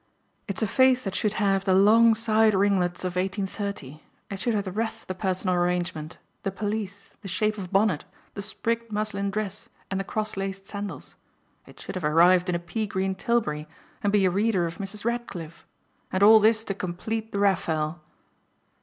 "It's a face that should have the long side ringlets of 1830. It should have the rest of the personal arrangement, the pelisse, the shape of bonnet, the sprigged muslin dress and the cross laced sandals. It should have arrived in a pea green 'tilbury' and be a reader of Mrs. Radcliffe. And all this to complete the Raphael!"